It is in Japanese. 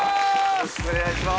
よろしくお願いします